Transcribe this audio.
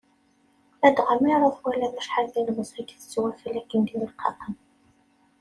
Ladɣa mi ara twaliḍ acḥal d ilemẓi i itett wakal akken d ileqqaqen.